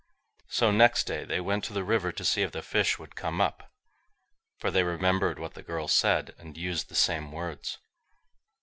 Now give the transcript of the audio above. So next day they went to the river to see if the fish would come up, for they remembered what the girl said and used the same words.